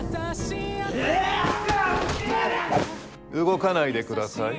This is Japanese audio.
動かないで下さい。